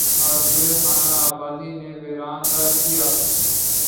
آرزوئے خانہ آبادی نے ویراں تر کیا